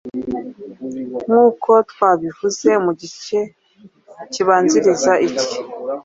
Nkuko twabivuze mu gice kibanziriza iki,